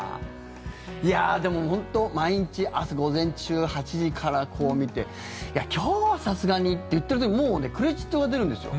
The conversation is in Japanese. いやでも本当、毎日朝午前中８時から、こう見ていや、今日はさすがにって言ってる時もうねクレジットが出るんですよ。